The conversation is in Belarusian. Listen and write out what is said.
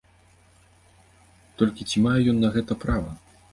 Толькі ці мае ён на гэта права?